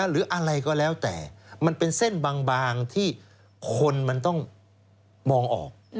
หรืออะไรก็แล้วแต่มันเป็นเส้นบางที่คนมันต้องมองออก